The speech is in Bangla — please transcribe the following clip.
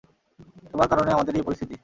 তোমাদের কারণে আমাদের এ পরিস্থিতি।